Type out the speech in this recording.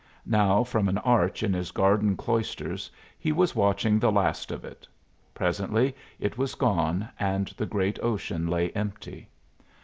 Now from an arch in his garden cloisters he was watching the last of it. Presently it was gone, and the great ocean lay empty.